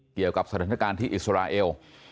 เกี่ยวกับสถานการณ์ที่อิสราเอล